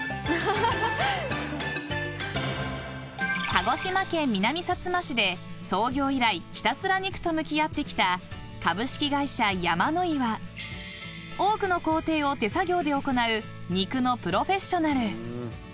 ［鹿児島県南さつま市で創業以来ひたすら肉と向き合ってきた株式会社山野井は多くの工程を手作業で行う肉のプロフェッショナル］